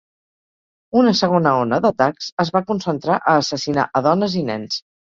Una segona ona d'atacs es va concentrar a assassinar a dones i nens.